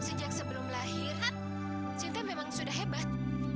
sejak sebelum lahir cinta memang sudah hebat